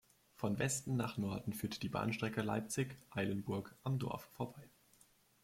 Von Westen nach Norden führt die Bahnstrecke Leipzig–Eilenburg am Dorf vorbei.